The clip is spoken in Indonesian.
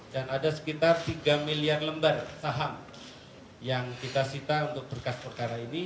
dan ada sekitar tiga miliar lembar saham yang kita sita untuk berkas perkara ini